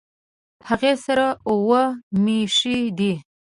هغې سره اووه مېښې دي